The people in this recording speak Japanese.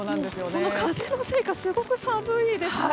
その風のせいかすごく寒いですね。